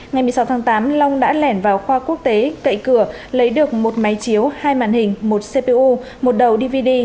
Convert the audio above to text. ngày một mươi sáu tháng tám long đã lẻn vào khoa quốc tế cậy cửa lấy được một máy chiếu hai màn hình một cpu một đầu dvd